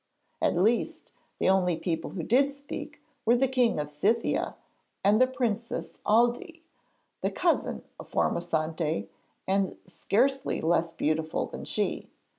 At least, the only people who did speak were the King of Scythia and the Princess Aldée, the cousin of Formosante and scarcely less beautiful than she.